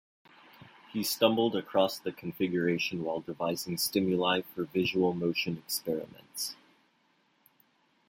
He stumbled across the configuration while devising stimuli for visual motion experiments.